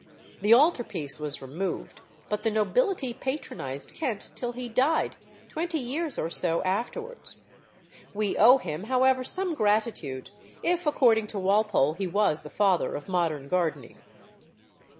The altar piece was removed, but the nobility patronised Kent till he died, twenty years or so afterwards. We owe him, however, some gratitude, if, according to Walpole, he was the father of modern gardening.